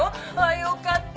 よかった。